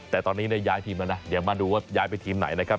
แต่ตอนนี้ย้ายทีมแล้วนะเดี๋ยวมาดูว่าย้ายไปทีมไหนนะครับ